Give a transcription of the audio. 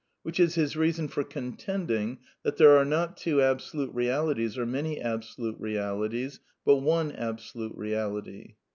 Which is his reason for contending that there are not two absolute Realities or many absolute Realities, but one Absolute Reality.